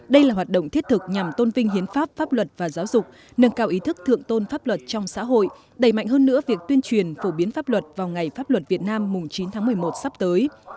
đây là hoạt động thiết thực nhằm tôn vinh hiến pháp pháp luật và giáo dục nâng cao ý thức thượng tôn pháp luật trong xã hội đẩy mạnh hơn nữa việc tuyên truyền phổ biến pháp luật vào ngày pháp luật việt nam chín tháng một mươi một sắp tới